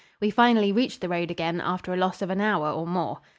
We finally reached the road again after a loss of an hour or more.